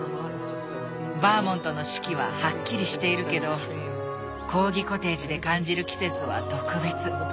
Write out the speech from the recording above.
バーモントの四季ははっきりしているけどコーギコテージで感じる季節は特別。